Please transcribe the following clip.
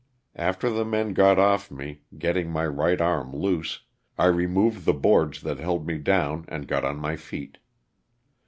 After the men got off me, getting my right arm loose, I removed the boards that held me down and got on my feet.